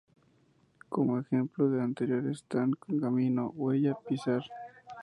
Como ejemplo de lo anterior están 路, ‘camino’; 跡, ‘huella’; 践, ‘pisar’.